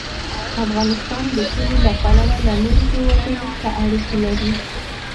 افغانستان د کلي له پلوه له نورو هېوادونو سره اړیکې لري.